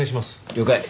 了解。